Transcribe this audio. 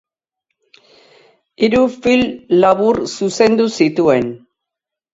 Hiru film labur zuzendu zituen.